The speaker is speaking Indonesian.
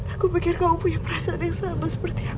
aku pikir kamu punya perasaan yang sama seperti aku